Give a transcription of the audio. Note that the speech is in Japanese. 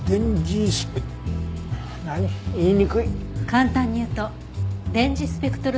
簡単に言うと電磁スペクトル